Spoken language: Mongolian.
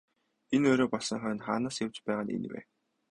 Энэ орой болсон хойно хаанаас явж байгаа нь энэ вэ?